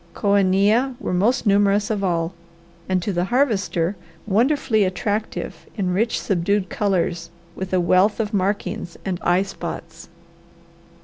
Coenia were most numerous of all and to the Harvester wonderfully attractive in rich, subdued colours with a wealth of markings and eye spots.